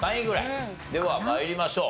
では参りましょう。